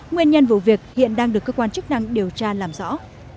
nguyên nhân vụ việc hiện đang được cơ quan chức năng điều tra làm rõ